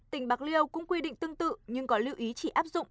tỉnh bạc liêu cũng quy định tương tự nhưng có lưu ý chỉ áp dụng